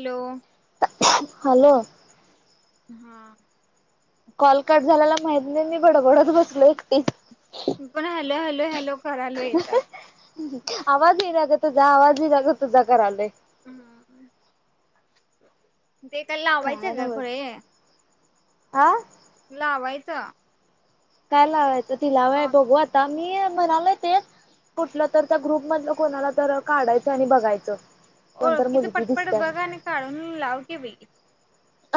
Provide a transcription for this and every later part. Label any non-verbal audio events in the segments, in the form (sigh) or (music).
Hello. Hello. हा. Call cut झाल्याला माहीतनाय मी बडबडत बसलो एकटीच. पण हॅलो हॅलो हॅलो करालोय इथं. आवाज येनाग तुजा आवाज येनाग तूजा करालोय. ह. ते काय लावायचं ग खुळे हा लावायचं. काय लावायचं ती लावाय कॉल बघू आता मी म्हणाल तेच कुठलं तर त्या ग्रुप मध कोणाला तर काढायचं आणि बघायचं. कोणतर ओळखीच मुलगी पटपट दिसत्या बघा का आणि काढून लाव की बाई.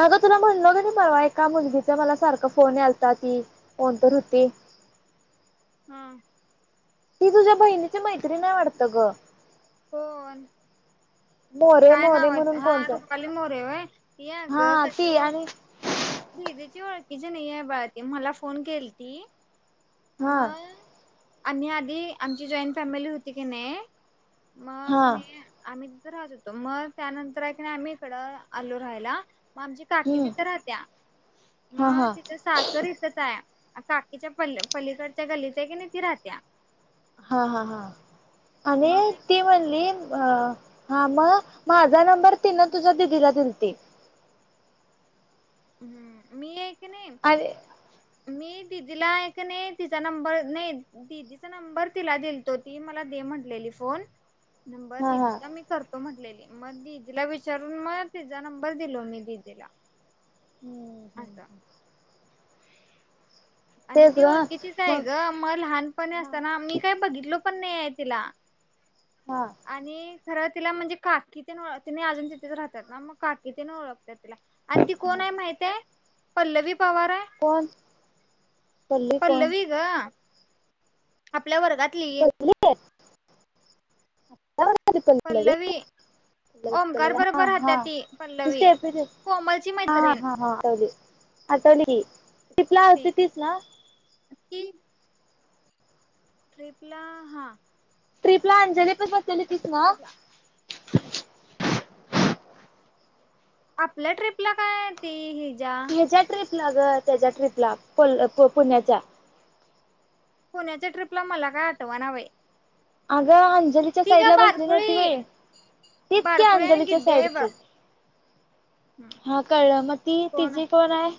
अगं तुला म्हणल कनी मला एका मुलगीचा मला सारखं फोन यालता ती कोण तर हुती. हम्म. ती तुझ्या बहिणीची मैत्री हाय वाडत ग. कोण मोरे काय मोरे नाव हाय, म्हणून हा कोणतर रुपाली मोरे वय ती आग हा कस ती रो आणि दिदीची होळ कीची नाही आहे बाळ ती, मला फोन केल ती हा मग, आम्ही आधी आमची जॉईंट फॅमिली होती की नाही मग की हा नाय आम्ही तीत राहत होतो मग त्यानंतर हायकनाही आम्ही इकडं आल्लो राहायला. आमची काकी हम्म तिथे राहत्या हा मग हा तीच सासर इथच हाय. काकीच्या प पलीकडच्या गल्लीत हायकीनाय ती राहत्या. हा हा हा आणि मग एक ती म्हणली अ, हा मग माझा नंबर ती ना तुझ्या दिदीला दिल ती. हम्म मी एक. अरे, मी दिदीला नाही तिचा नंबर नाही दिदीचा नंबर तिला दिलतो ती मला दे म्हटल्याली फोन नंबर हा हा दीदीचा मी करतो म्हटल्याली. मग दिदीला विचारून म तीजा नंबर दिलो मी दिदीला. हम्म हम्म असं हम्. आणि ती ग ओळखीचीच आहे ग मग लहानपणी हा असताना मी काय बघितलो पण नाही आहे तिला हा आणि खरं तिला म्हणजे काकी तेन ओलत्यात तिने अजून तिथच राहतात ना मग काकीत ओळख. तुला आणि ती कोण आहे माहित आहे पल्लवी पवार, आहे कोण? पल्ली कोण पल्लवी ग. आपल्या वर्गातली आहे. हो. पल्लवी! ह ओमकार हा बरोबर राहत्या ती पल्लवी ह कोमलची मैत्रीण ह ह ह. आटवली ट्रीपला आलती ती तिच ना. ती ट्रीप ला हा. ट्रिपला अंजली पशी बसलेली तिच ना? ट्रिपला (unintelligible) आपल्या ट्रिपला काय त हे हच्या्या ट्रीपला ग त्याच्या ट्रीपला पुण्याच्या. पुण्याच्या ट्रिपला मला काय आठवाणा बाई. अग हां. अंजलीच्या ती साईड ग ला बसली नव्हती बारकुळी व्हं तिचं कि बारकुळी आणि अंजलीच्या गिड्डी आहे साईडची बघ हा कळलं मग ती तिझी कोण आहे?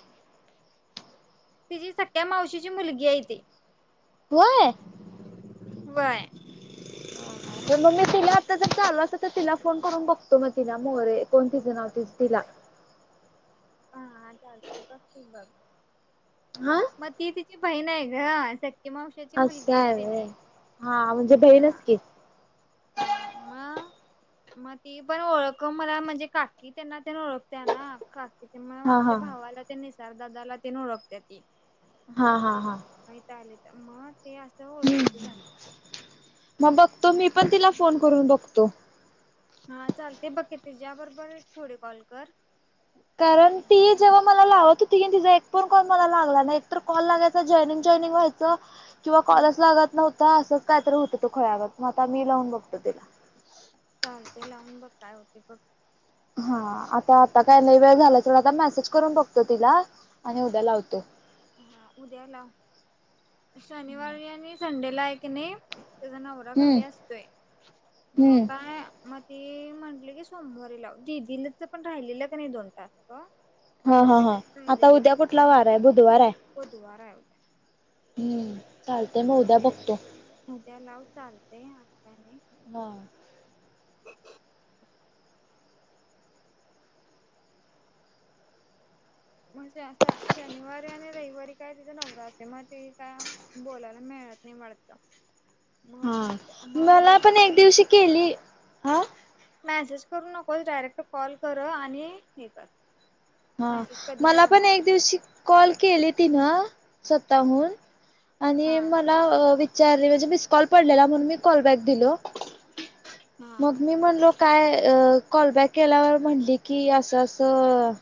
तिझी सस्खा मावशीची मुलगी आहे ती व्हंय बाय हा तर मग् मी तिला आता जर चालू असत तर तिला फोन करून बघतो मग तिला मोरे कोण तीझं नाव दिप्तीला (unintelligible) हा चालते बघ की बघ. हा मग ती तिची बहीण आहे गं ती मावशाची मुलगी आहेत तिनी ह म्हणजे बहीणच कि हा मग. मग ती पण ओळख मला म्हणजे काकी त्यांना तेण ओळखते ना म हा आमच्या हा भावाला ते निसार दादाला तेण ओळखती या ती हा हा हा माहित आले मग ते असं ओळखीच झालं ते तो मी पण तिला फोन करून बघतो हा चालतंय बघ की तीझ्या बरोबर एक थोडे कॉल कर कारण ती जेव्हा मला लावत होती कणी तिचा एक ण कॉल मला लागला नाही एक तर कॉल लागायचा जॉनिंग जॉईनिंग व्हायचं-‍- किंवा हा कॉलच लागत नव्हता असंच कायतरी होतं तो खुळ्यागत मग आता मी लावून बघतो तिला चालतंय लावून बघ काय होते बघ हा आता आता काही नाही लई वेळ झालायं सोड आता मेसेज करून बघतो तिला आणि उद्या लावतो. हा उद्या लाव शनिवारी आणि संडे ला आहे कणी नाही तिचा नवरा हम्म घरी असतोय मग हम्म काय म ते म्हंटले की सोमवारी लाव दिदीला तर पण राहिलेलं कणी दोन टाॅस्क हा हा ह् आता उद्या कुठला वार आहे बुधवार आहे बुधवार आहं ऊदया हम्म चालतंय मग उद्या बघतो उद्या लाव चालतंय आता नाही हा मग शनिवारी आणि रविवारी काय तिचा नवरा असतोय मग ते काय बोलायला मिळणार नाही मिळत नाही वाटत मग ती हा मग उद्या मला पण एक सकाळी दिवशी केली हा मेसेज करू नकोस डायरेक्ट कॉल कर आणि हे कर हा मेसेज कधी मला पण बघणार एक दिवशी कॉल केली तिनं स्वताहून आणि हा मला विचारले म्हणजे मिसकॉल पडलेला म्हणून मी कॉलबॅक दिलो हा मग मी म्हणलो काय कॉलबॅक केल्यावर म्हटली की असं असं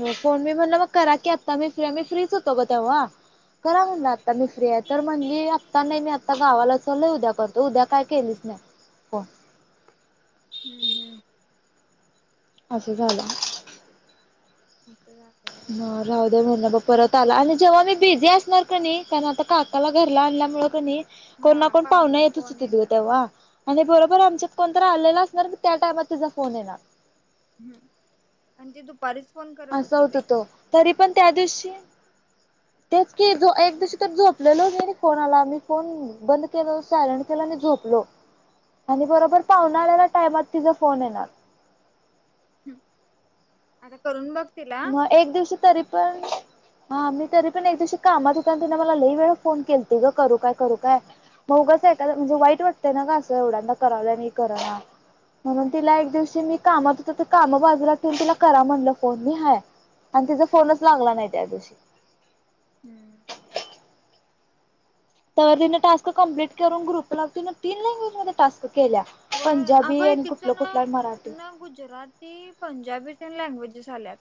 हो फोन मी म्हणलं मग करा की आता मी फ्री मी फ्रीच होतो गं तेव्हा करा हा म्हणलं आता मी फ्री आहे तर म्हंणली आता नाही मी आता गावाला चा चललोय उद्या करतो उद्या काय केलीच नाही पण हम्म हम्म असं झालं हम्म असं झालंय व्हय ह राहू द्या म्हणं बघतो परत आला आणि जेव्हा मी बिझी असणार कणी कारण आता काकाला घरला आणल्यामुळे कणी कोणणा हा कोण पाहुना पाहुणे येतच कोण व्हंतीतंच गं येतात तेव्हा आणि बरोबर आमच्यात कोण तर आलेला असणार म त्या टाइमात तिचा फोन येणार हम्म आणि ती दुपारीच फोन करत असं होती होत बाई होतं तरी पण त्या दिवशी (unintelligible) तेच की जो एक दिवशी तर झोपलेल हो आणि फोन आला मी फोन बंद केल सायलेंट केलं आणि झोपलं आणि बरोबर पाऊण आलेल्या टायमात तिजा फोन येणार आता करून बघ तिला मग एक दिवशी तरी पण हा मी तरी पण एक दिवशी कामात हुतो आणि तुम्हाला लय वेळा फोन केलतो ग करू काय करू काय असं म्हणजे वाईट वाटतं ना गं एवड्यांदा करालो आणि करना म्हणून तिला एक दिवशी मी कामात हुतो ते काम बाजूलात ठिऊन तिला करा म्हणलं फोन मी हाय आणि तिचा फोनच लागला नाही त्या दिवशी हम्म तरी तिने टास्क कंप्लीट करून ग्रुप ला तरी तीन लँग्वेज मध्ये टास्क केल्या व पंजाबी अगं आणि तिचं कुठलं ना कुठला मराठी ना गुजराती पंजाबी लँग्वेजेस आल्यात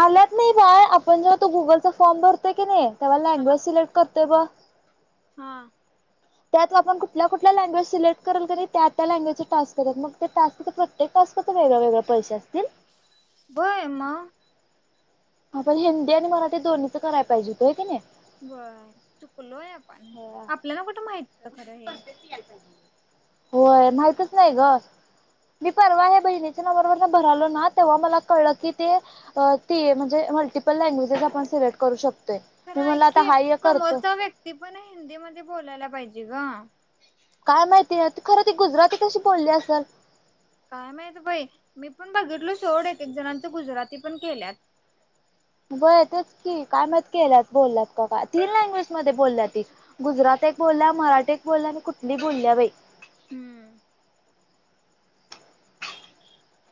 आल्यात नाई बाळ आपण जेव्हा तो गुगलचा फॉर्म भरतोय की नाय तवा हा. लँगवेज सिलेक्ट करतोय ब हा त्यात आपण कुटल्या कुटल्या लँग्वेज सिलेक्ट करेल किनी त्या त्या लँग्वेजच टास्क येण्यात मग त्या टास्क च प्रत्येक आसं कसं वेगळ वेगळे पैसे असतील बय आहेमा ह पण हिंदी आणि मराठी दोन्हीच करायला पाहिजे ह की नय बर चुकलोय आपण आपल्याला कुठं माहित हुतं खरं हे होय माहितच नाही ग मी परवा ह बहिणीच्या नंबरवर भरलो ना तेव्हा मला कळलं की ते ती म्हणजे मल्टिपल लँग्वेजेस आपण सिलेक्ट करू शकतोय खरं मी ऐक म्हला आता की हाय हे करतो समोरचा व्यक्ती पण हिंदी मध्ये बोलायला पाहिजे ग काय माहितीय खरं ती गुजराती कशी बोलली असेल काय माहित बाई मी पण बघितलो सेोढ एक एक जणांच गुजराती पण केल्यात ब तेच की काय माईत केल्यात बोलल्यात का काय तीन लँग्वेज मध्ये बोलल्या ती गुजराती बोलल्या मराठी एक बोलल्या आणि कुटली बोलल्या बाई हम्म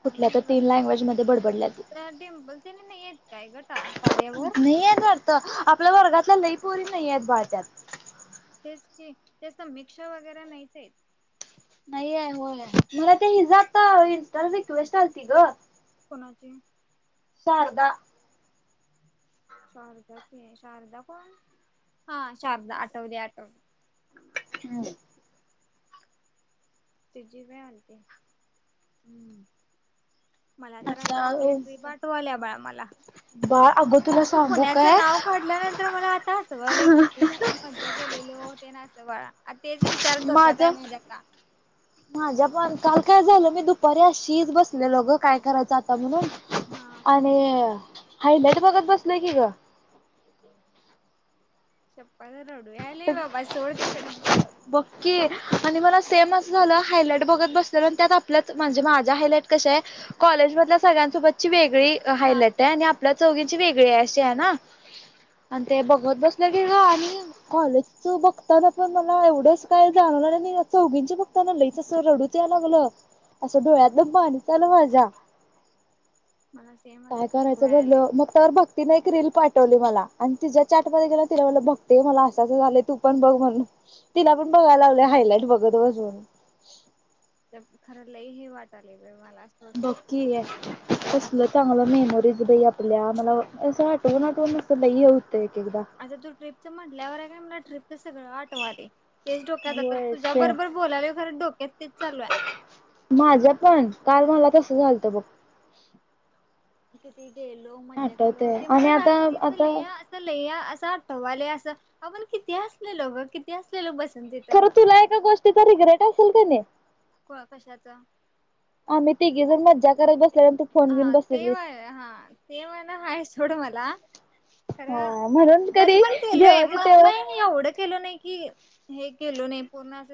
काय कुठल्या माहित तर बर तीन आता लँग्वेज मध्ये बडबडल्या ती रज डिंपल त्यांनी नाही हाइत काय ग कार्यावर नई हाईत वाटतं आपल्या वर्गातल्या लई पोरी नाई हाईत बाळ त्यात त्यास त मिक्सर वगैरे नाहीच नाही हो म्हण मला ते हिज आता इन्स्टाला रिक्वेस्ट आलती गं कुणाची शारदा शारदाची शारदा कोण हा शारदा आटवली आटवली हम्म तीजीबी आलती हम्म मला तर आता आप्लेट वाठू आल्या बाळा मला बाळ अगं तुला तू सांगू पुण्याचं काय नाव काढल्यानंतर मला आता आठवायलय किती भारी मजा केलेलो त्येन असं तवा माझ माझ्या पण काल काय झालं मी दुपारी अशीच बसलेलो गं काय करायचं आता म्हणून हा आणि हयलाईट बघत बसलय की ग चप्पाला रडू यालय बाबा सोड तिकड बघकी आणि मला सेम असं झालं हायलाईट बघत बसलेलो आणि त्यात आपल्या म्हणजे माझ्या हायलाईट कशा आहे कॉलेज त्या सगळ्यांसोबतची वेगळी हा हायलाईट हाय आणि आपल्या चौघींची वेगळी आहे अशी आहे ना आणि ते बघत बसलं की ग आणि कॉलेजच बघताना पण मला एवढंच काय जाणार आ च उघींचे बघताना लईच सर रडूते. असं (unintelligible) डोळ्यातलं पाणी आलं माझ्या (unintelligible) काय आता तसं करायचं व्हायलय बोललं मग त्यावर भक्ती नाही क रील पाठवली मला आणि तिच्या चाटमध्ये गेला तिला बघते मला असाच झाले तू पण बघ म्हणून तिला ण (unintelligible) बघाय लावल्या हायलाइट बघत बस ज (unintelligible) खरं लई हे वाटालय बाई मला सोड बकी आहे (unintelligible) कसलं चांगल्या मेमरीज बाई आपल्या मला असं आठवून आठवून म (unintelligible) आता तू ट्रिपच म्हटल्यावर आहे काय (unintelligible) मला ट्रिपचं सगळं आठवालय तेच डोक्यातातात होय तुझ्या सेम बरोबर बोलालोय खरं डोक्यात तेच चालू आहे माझं पण काल मला तस झालतं बघ किती (unintelligible) गेलो मजा केलो आठवतंय ते मला आणि आता रात्रीच लि आता या असं ले या आठवालय अस आपण किती हसलेलो किती हसलेलो बस खरं तुला एका गोष्टी तर रिग्रेट असेल का नाही क (unintelligible) कशाचा आम्ही तिघी जर मजा करत बस हा ते वय हा ते वय ना हाय सोड मला खर हा म्हणून तरी कधी पण केलोय जेव्हाच म म तेव्हा एवढं केलो नाही कि हे केलो नाही पूर्ण अस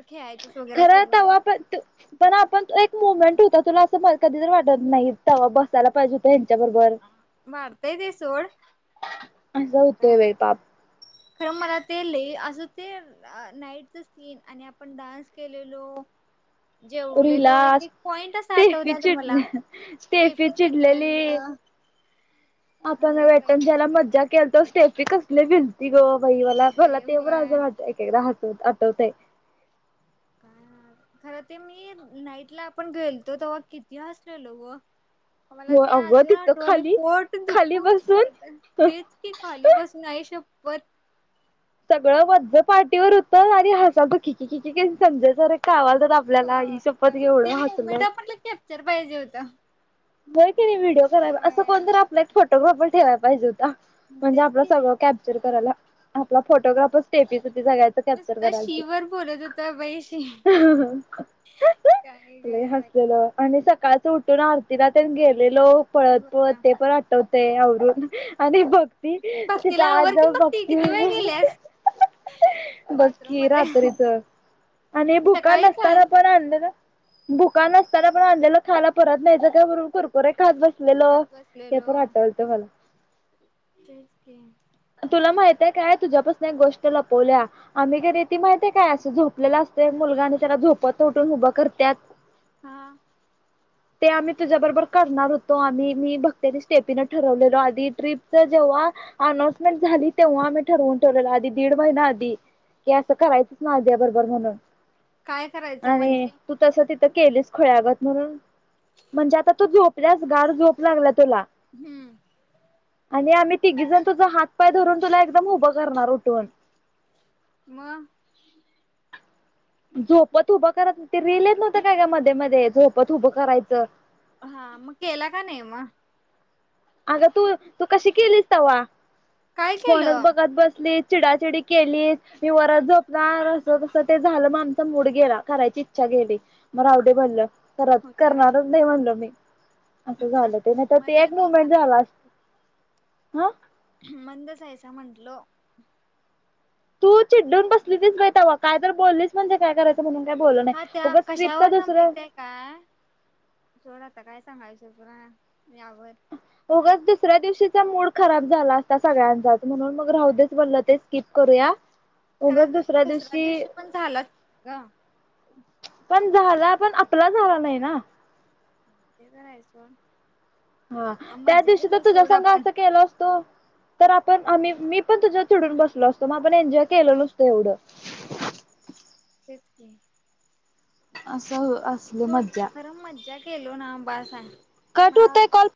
खर तवा आपण पण आपण एक मुमेंट होत तर तुला असं कधी तर वाटत नाही तवा बसायला पाहिजे होत त्या बरोबर वाढतय ते सोड अस होतय वेळीपाप खर मला ते लय असं ते नाईटच सीन आणि आपण डान्स केलेलो रिला जेवलेलो एक एक पॉईंट असं स्टेफी आठवत्यात चिड मला स्टेफी स्टेफु चिडलेल चिडलेली ह (inaudible) आपण वेतन द्यायला मज्जाच केलतो स्टेपी कसले भिलती ग बाई मला मला बाई ते पण होय अजून आठवतंय (unintelligible) एककदा हा आठवतंय काय (unintelligible) खरं ते मी नाईट ला आपण गेलतो तेव्हा किती हसलेलो ग मला हो ते अगं अजून तिथं आठवालय खाली पोट खाली धुकून बसून करतात (unintelligible) तेच की खाली बसून आई श वत सगळं व्हज पाटीवर होत आणि हासालतो खी खी खी खी संजय सर कावालत आपल्याला आई शप्पत एवढ ते मुमेंट हसलोय आपणला कॅप्चर पाहिजे होतं हो (unintelligible) की नाही व्हिडिओ करा असं होय कोणत आपल्याला एक फोटोग्राफर ठेवायला पाहिजे म्हणजे तेच आपलं की सगळं कॅप्चर करायला आपला फोटोग्राफर स्टेपीध जगायच कॅप्चर नुसता कराय शी आलतीत वर ह (inaudible) लय हसलेलो आणि स काच (unintelligible) उठून आरतीला तेण गेलेलो ल पळत पळत ते पण आठवत ते अवरून आणि भक्ती भक्तीला तिचा आवर आज की बघती भक्ती किती वेळ गेल्यास बघ बाथरूम की मध्ये रात्रीच आणि भुका नसताना पण आणलं ना भुका नसताना पण आणलेलं खायला परत नाहीय (unintelligible) का कुरकुरे खात बसलेलो हात हे बसलेलो पण आठवालत मला तेच की तुला माहितेय काय तुझ्यापासून एक गोष्ट लपवल्या आम्ही घ (unintelligible) ती माहतीय काय असं झोपलेलास ते मुलगा आणि त्याला झोपतन उटून उभं करत्यात हा (unintelligible) ते आम्ही तुझ्या बरोबर करणार होतो आम्ही मी भक्तनी स्टेपीनं ठरवलेलो आधी ट्रीपच जेव्हा अनाऊन्समेंट झाली तेव्हा आम्ही ठरवून ठेवलेला आधी दीड महिना आधी की असं करायचंच ना अद्या बरोबर काय म्हणून करायचं आणि म्हणजे तू तस केलीस खुळ्यागत म्हणून म्हणजे आता तु झोपल्यास गाढ झोप लागल्या तुला हम्म आणि आम्ही तिघीजण तुझा हात पाय धरून तुला एकदम उभं करणार उठून म झोपत उभं करत ते रील येत नव्हतनव्हतं काय का मध्ये मध्ये झोपत उभं करायचं हा मग केला का ने म अगं तू तू कशी केलीस तव्हा काय फोनच केलं बघत बसलीस चिडाचिडी केलीस मी वरच झोपणार असं तसं ते झालं मग आमचा मूड गेला करायची इच्छाच गेल होता असं झालं ते नाही तर ते एक मंदच आहेसा मुमेंट झालं असत हा मंद जायचा म्हंटलो तू चिडून बसलीतीस बई तवा काय तर बोललीस म्हणजे काय करायचं म्हणून काय बोललं हा नाही त्या उगाच ट्रिपचा कशावर न दुसरा माहितय काय सोड आता काय? (unintelligible) मी आवर उगच दुसऱ्या दिवशीचा मूड खराब झाला असता सगळ्यांचा म्हणून मग राहदच बोललं ते स्किप करूया. खरं दुसऱ्या दिवशी पण झालाच ग. पण झाला पण आपला झाला नाही ना. ते करायचं. हा त्या मज्जा दिवशी तर केलो तुझ्या सोड संघ आपण अस केलो असतो. तर आपण आम्ही मी पण तुझ्यावर चिडून बसलो असतो मग आपण एन्जॉय केलो नसतो एवढं. तेच की असं असली सोड मज्जा खरं मज्जा केलो ना (unintelligible) कट मला होतय कॉल.